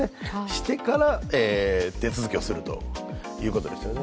してから手続をするということですね。